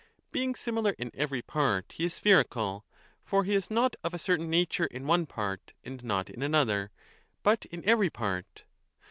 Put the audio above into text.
Being similar in every part, he is spherical ; for he is 977 b not of a certain nature in one part and not in another, but in every part.